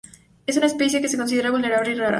Es una especie que se considera vulnerable y rara.